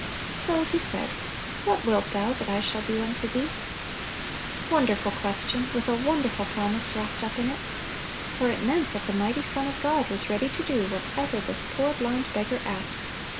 So He said, "What wilt thou that I shall do unto thee?" Wonderful question, with a wonderful promise wrapped up in it ! For it meant that the mighty Son of God was ready to do whatever this poor blind beggar asked.